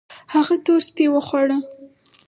هغه تور سپي وخواړه